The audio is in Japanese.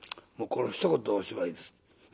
もうこのひと言でおしまいです。